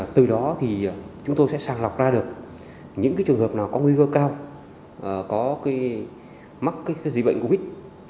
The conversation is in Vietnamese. từ đó thì chúng tôi sẽ sàng lọc ra được những trường hợp nào có nguyên vơ cao có mắc dịch covid một mươi chín